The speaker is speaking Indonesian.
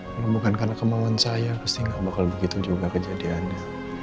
kalau bukan karena kemauan saya pasti gak bakal begitu juga kejadiannya